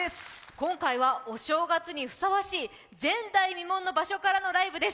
今回は、お正月にふさわしい前代未聞の場所からのライブです。